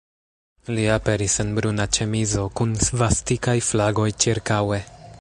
Li aperis en bruna ĉemizo, kun svastikaj flagoj ĉirkaŭe.